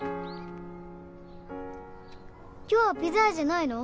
今日はピザ屋じゃないの？